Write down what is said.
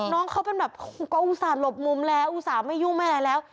น้องเขาเป็นแบบก็อุตส่าหลบมุมแล้วอุตส่าห์ไม่ยุ่งไม่อะไรแล้ว